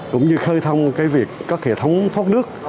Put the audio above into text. cũng như khơi thông cái việc các hệ thống thoát nước